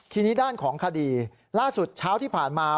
ทีนี้ด้านของคดีล่าสุดเช้าที่ผ่านมา